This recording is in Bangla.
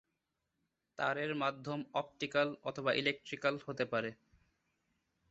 তারের মাধ্যম অপটিক্যাল অথবা ইলেকট্রিক্যাল হতে পারে।